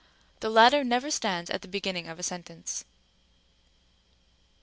The latter never stands at the beginning of a sentence.